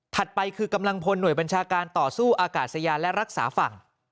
ไปคือกำลังพลหน่วยบัญชาการต่อสู้อากาศยานและรักษาฝั่ง